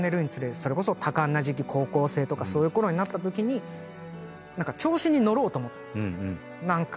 それこそ多感な時期高校生とかそういうころになったときに調子に乗ろうと思ったんです。